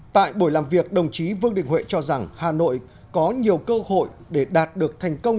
tại buổi làm việc đồng chí vương đình huệ cho rằng hà nội có nhiều cơ hội để đạt được thành công